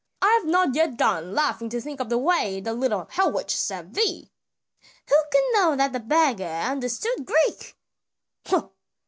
I have not yet done laughing to think of the way the little hell witch served thee!" "Who could know that the beggar understood Greek!"